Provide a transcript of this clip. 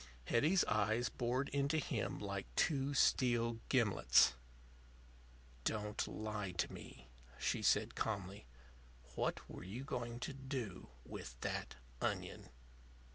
Hetty's eyes bored into him like two steel gimlets. "Don't lie to me," she said, calmly. "What were you going to do with that onion?"